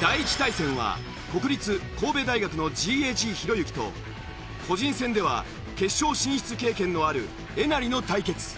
第１対戦は国立神戸大学のＧＡＧひろゆきと個人戦では決勝進出経験のあるえなりの対決。